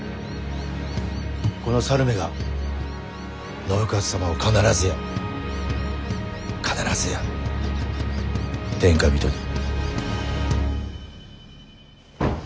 この猿めが信雄様を必ずや必ずや天下人に。